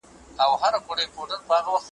اسمان او مځکه نیولي واوري `